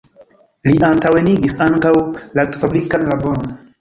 Li antaŭenigis ankaŭ laktofabrikan laboron.